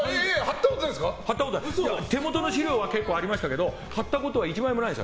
手元の資料は結構ありましたけど貼ったことは一度もない。